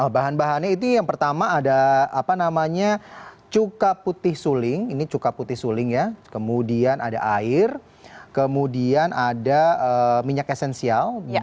bahan bahannya itu yang pertama ada cuka putih suling ini cuka putih suling ya kemudian ada air kemudian ada minyak esensial